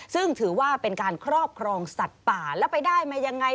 ซึ่งถือว่าเป็นการครอบครองสัตว์ป่าแล้วไปได้มายังไง